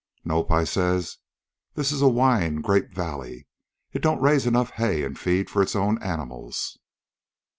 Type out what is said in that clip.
"'Nope,' I says. 'This is a wine grape valley. It don't raise enough hay an' feed for its own animals.